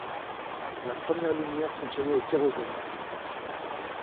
La première lumière fonctionnait au kérosène.